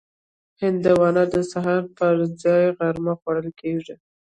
هندوانه د سهار پر ځای غرمه خوړل کېږي.